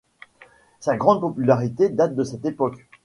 Sa grande popularité date de cette époque.